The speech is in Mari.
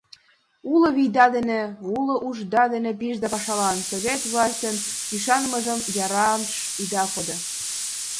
Уло вийда дене, уло ушда дене пижса пашалан: Совет властьын ӱшанымыжым яраш ида кодо.